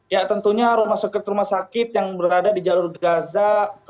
ya tentunya rumah sakit rumah sakit yang berada di jalur gaza